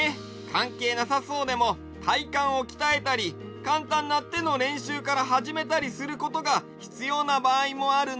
かんけいなさそうでもたいかんをきたえたりかんたんなてのれんしゅうからはじめたりすることがひつようなばあいもあるんだ。